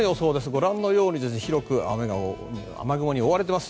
ご覧のように広く雨雲に覆われています。